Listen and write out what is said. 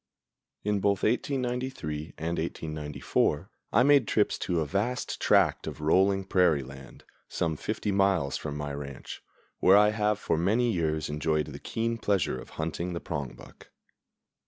In both 1893 and 1894 I made trips to a vast tract of rolling prairie land, some fifty miles from my ranch, where I have for many years enjoyed the keen pleasure of hunting the prongbuck.